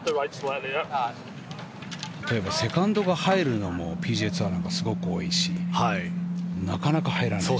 例えばセカンドが入るのもＰＧＡツアーはすごく多いしなかなか入らない。